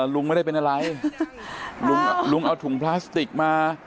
ลุงไม่ได้เป็นอะไรลุงเอาถุงพลาสติกมา